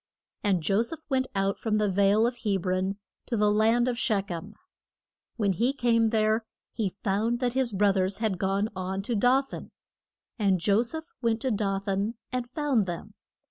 And Jo seph went out from the vale of Heb ron to the land of Shech em. When he came there he found that his broth ers had gone on to Do than. And Jo seph went to Do than and found them.